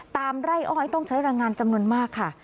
ไร่อ้อยต้องใช้แรงงานจำนวนมากค่ะ